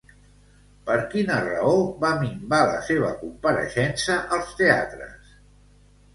Per quina raó va minvar la seva compareixença als teatres?